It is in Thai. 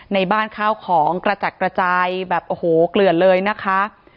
ในบ้านข้าวของกระจัดกระจายแบบโอ้โหเกลือนเลยนะคะ